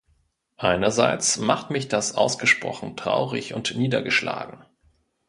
Einerseits macht mich das ausgesprochen traurig und niedergeschlagen.